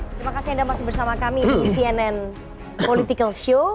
terima kasih anda masih bersama kami di cnn political show